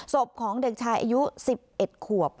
ศพของเด็กชายอายุ๑๑ขวบ